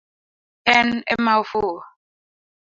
En ema ofuo